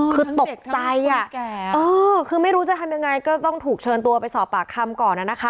คือตกใจคือไม่รู้จะทำยังไงก็ต้องถูกเชิญตัวไปสอบปากคำก่อนนะคะ